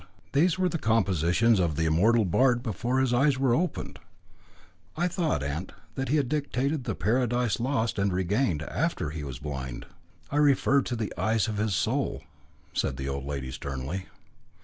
These were the compositions of the immortal bard before his eyes were opened." "I thought, aunt, that he had dictated the Paradise Lost and Regained after he was blind." "I refer to the eyes of his soul," said the old lady sternly.